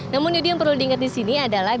namun jadi yang perlu diingat di sini adalah